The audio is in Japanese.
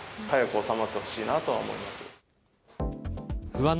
早く収まってほしいなとは思います。